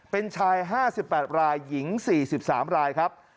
เป็นชาย๕๘รายหญิง๔๓รายครับ